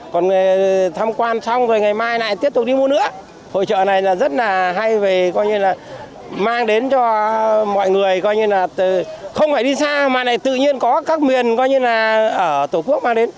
còn về tham quan xong rồi ngày mai lại tiếp tục đi mua nữa hội trợ này là rất là hay về coi như là mang đến cho mọi người coi như là không phải đi xa mà này tự nhiên có các miền coi như là ở tổ quốc mang đến